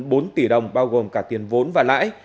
tổng số tiền gần bốn triệu đồng bao gồm cả tiền vốn và lãi